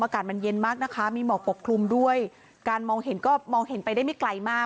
อากาศมันเย็นมากนะคะมีหมอกปกคลุมด้วยการมองเห็นก็มองเห็นไปได้ไม่ไกลมาก